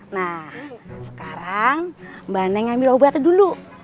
nah sekarang mbak neng ambil obatnya dulu